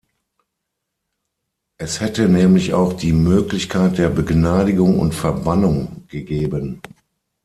Es hätte nämlich auch die Möglichkeit der Begnadigung und Verbannung gegeben.